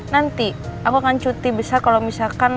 nanti aku akan cuti besar kalau misalkan